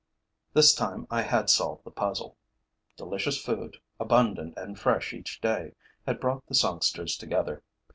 This time I had solved the puzzle. Delicious food, abundant and fresh each day, had brought the songsters together.